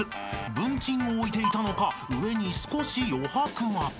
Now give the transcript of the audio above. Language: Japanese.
［文鎮を置いていたのか上に少し余白が］